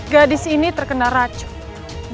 gadis ini terkena racun